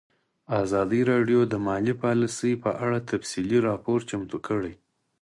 ازادي راډیو د مالي پالیسي په اړه تفصیلي راپور چمتو کړی.